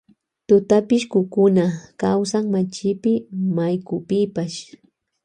Tutapishkukuna kawsan machipi waykupipash.